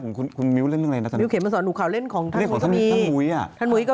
โอ้วมิ๊วดังมากนางเอก